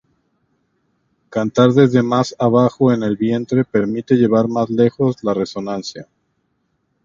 Cantar desde más abajo en el vientre permite llevar más lejos la resonancia.